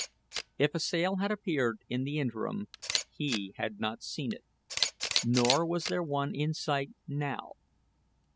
If a sail had appeared in the interim, he had not seen it; nor was there one in sight now.